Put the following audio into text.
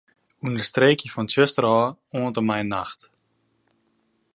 Understreekje fan 'tsjuster' ôf oant en mei 'nacht'.